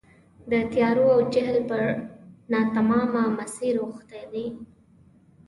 د تیارو او جهل پر ناتمامه مسیر اوښتي دي.